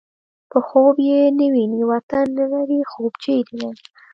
په خوب يې نه وینو وطن نه لرې خوب چېرې دی